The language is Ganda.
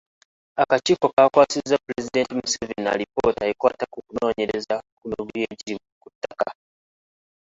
Akakiiko kaakwasizza Pulezidenti Museveni alipoota ekwata ku kunoonyereza ku mivuyo egiri ku ttaka.